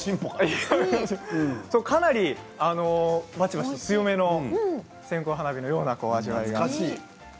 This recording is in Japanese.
かなり強めの線香花火のような味わい。